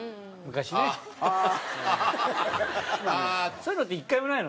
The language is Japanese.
そういうのって１回もないの？